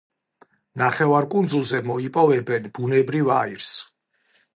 ნახევარკუნძულზე მოიპოვებენ ბუნებრივ აირს.